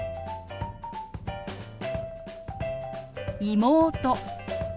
「妹」。